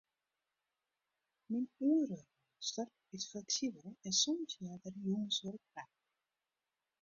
Myn oereroaster is fleksibel en soms heart der jûnswurk by.